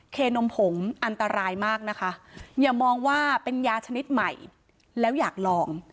เคนมผงอันตรายมากนะคะอย่ามองว่าเป็นยาชนิดใหม่แล้วอยากลอง